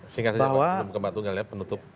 sehingga saya mau kembali kembali kembali ke penutup